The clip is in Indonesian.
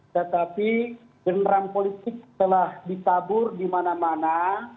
tetapi generam politik telah ditabur dimana mana